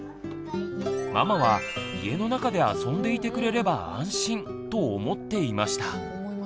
ママは「家の中で遊んでいてくれれば安心」と思っていました。